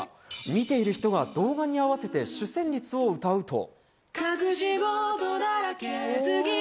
見ている人が動画に合わせて主旋律を歌うと。